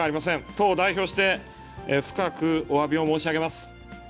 党を代表して、深くおわびを申し上げます。